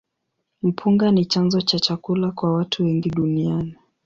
Mpunga ni chanzo cha chakula kwa watu wengi duniani.